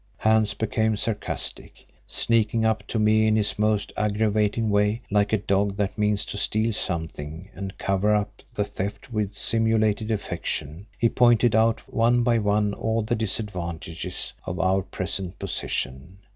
Hans became sarcastic. Sneaking up to me in his most aggravating way, like a dog that means to steal something and cover up the theft with simulated affection, he pointed out one by one all the disadvantages of our present position.